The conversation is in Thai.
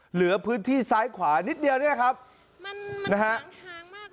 เหลือพื้นที่ซ้ายขวานิดเดียวนะครับมันหางมากเลยค่ะ